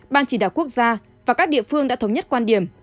ban chỉ đạo quốc gia và các địa phương đã thống nhất quan điểm